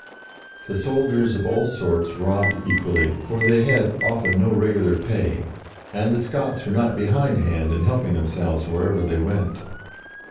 The soldiers of all sorts robbed equally, for they had often no regular pay, and the Scots were not behindhand in help ing themselves wherever they went.